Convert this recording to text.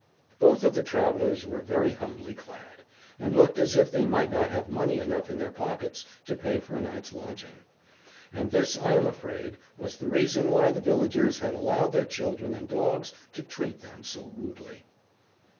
Both of the travellers were very humbly clad, and looked as if they might not have money enough in their pockets to pay for a night's lodging. And this, I am afraid, was the reason why the villagers had allowed their children and dogs to treat them so rudely.